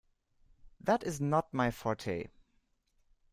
That is not my forte.